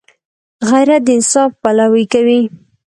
غیرت د انصاف پلوي کوي